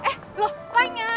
eh loh fanya